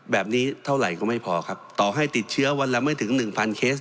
แบบนี้เท่าไหร่ก็ไม่พอครับต่อให้ติดเชื้อวันละไม่ถึง๑๐๐เคส